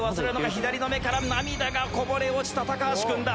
左の目から涙がこぼれ落ちた橋君だ。